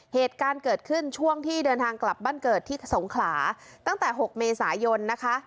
เหตุการณ์เกิดขึ้นช่วงที่เดินทางกลับบ้านเกิดที่สงขลาตั้งแต่๖เมษายนนะคะ